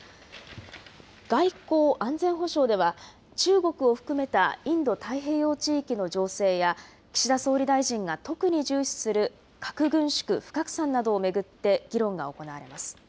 外交・安全保障では、中国を含めたインド太平洋地域の情勢や、岸田総理大臣が特に重視する核軍縮・不拡散などを巡って議論が行われます。